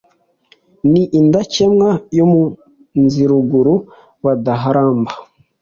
Ni indakemwa yo muz' iruguru badaharamba,